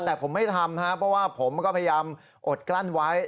แต่ผมไม่ทำครับเพราะว่าผมก็พยายามอดกลั้นไว้